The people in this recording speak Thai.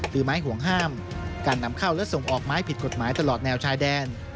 หรือไม้ห่วงห้ามการนำเข้าและส่งออกไม้ผิดกฎหมายตลอดแนวชายแดน